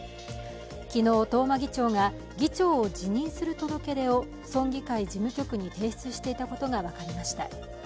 昨日東間議長が議長を辞任する届け出を村議会事務局に提出していたことが分かりました。